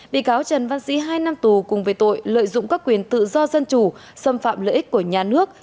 bị cáo trần văn sĩ hai năm tù cùng về tội lợi dụng các quyền tự do dân chủ xâm phạm lợi ích của nhà nước